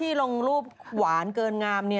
ลงรูปหวานเกินงาม